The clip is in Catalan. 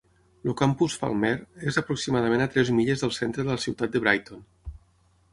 El campus Falmer és aproximadament a tres milles del centre de la ciutat de Brighton.